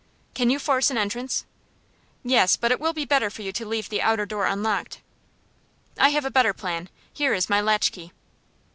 Can you force an entrance?" "Yes; but it will be better for you to leave the outer door unlocked." "I have a better plan. Here is my latchkey."